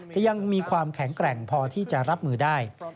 ยังมีความแข็งแกร่งพอที่จะรับมือได้